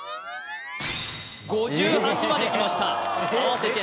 ５８まできましたえっ！？